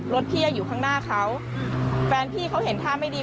รถพี่อยู่ข้างหน้าเขาแฟนพี่เขาเห็นท่าไม่ดี